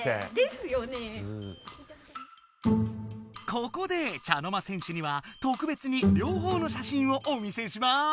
ここで茶の間戦士にはとくべつに両方のしゃしんをお見せします！